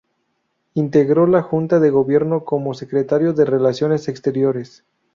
Integró la Junta de Gobierno como secretario de relaciones exteriores.